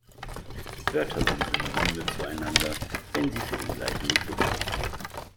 Wörter sind Synonyme zueinander, wenn sie für den gleichen Begriff stehen.